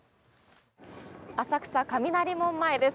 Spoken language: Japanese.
浅草・雷門前です。